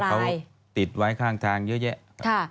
เขาติดไว้ข้างทางเยอะแยะ